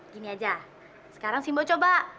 gini aja sekarang si mbok coba